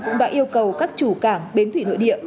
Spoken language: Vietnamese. cũng đã yêu cầu các chủ cảng bến thủy nội địa